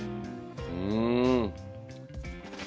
うん！